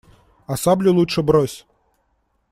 А саблю лучше брось.